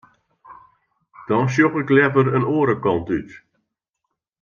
Dan sjoch ik leaver in oare kant út.